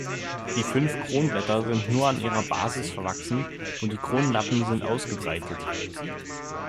Die fünf Kronblätter sind nur an ihrer Basis verwachsen und die Kronlappen sind ausgebreitet.